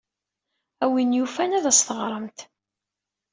A win yufan ad as-teɣremt.